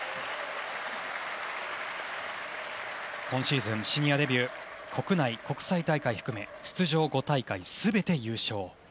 今シーズン、シニアデビュー国内、国際大会含め出場５大会すべて優勝。